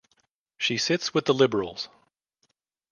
She sits with the Liberals.